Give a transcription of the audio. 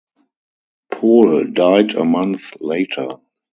Pohl died a month later.